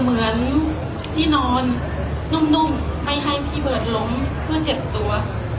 เหมือนที่นอนนุ่มไม่ให้พี่เบิร์ตล้มเพื่อเจ็บตัว